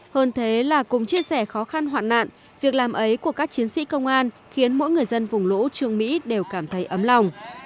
hơn thế là cùng chia sẻ khó khăn hoạn nạn việc làm ấy của các chiến sĩ công an khiến mỗi người dân vùng lũ trường mỹ đều cảm thấy ấm lòng